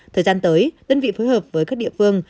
thời gian tới đơn vị phối hợp với các địa phương